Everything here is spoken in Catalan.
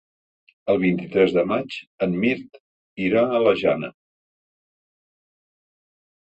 El vint-i-tres de maig en Mirt irà a la Jana.